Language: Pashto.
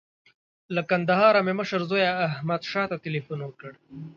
له کندهاره مې مشر زوی احمدشاه ته تیلفون وکړ.